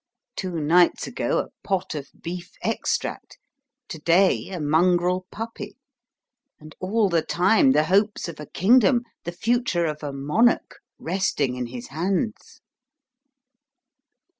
Two nights ago a pot of beef extract; to day a mongrel puppy; and all the time the hopes of a kingdom, the future of a monarch resting in his hands!